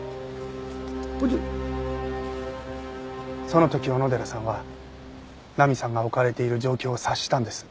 その時小野寺さんは菜美さんが置かれている状況を察したんです。